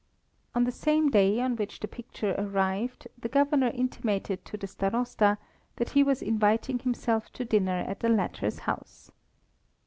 On the same day on which the picture arrived, the Governor intimated to the Starosta that he was inviting himself to dinner at the latter's house.